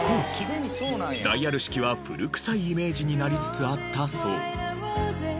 ダイヤル式は古臭いイメージになりつつあったそう。